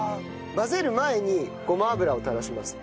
混ぜる前にごま油を垂らします。